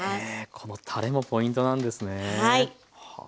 このたれもポイントなんですね。